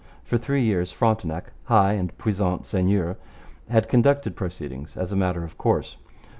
For three years Frontenac, 'high and puissant seigneur,' had conducted proceedings as a matter of course.